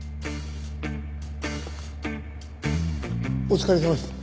お疲れさまです。